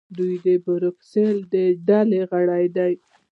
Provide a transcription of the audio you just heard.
دوی د بریکس ډلې غړي دي.